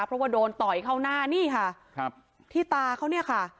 เพราะว่าโดนต่อยเข้าหน้านี่ค่ะครับที่ตาเขาเนี่ยค่ะ